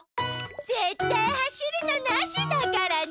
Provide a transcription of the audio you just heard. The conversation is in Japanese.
ぜったいはしるのなしだからね！